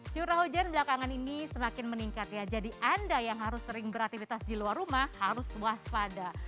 curah hujan belakangan ini semakin meningkat ya jadi anda yang harus sering beraktivitas di luar rumah harus waspada